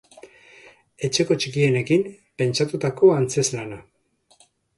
Etxeko txikienekin pentsatutako antzeslana.